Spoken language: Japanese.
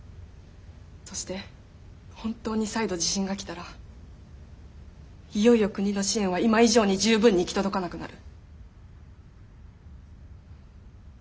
そして本当に再度地震が来たらいよいよ国の支援は今以上に十分に行き届かなくなる。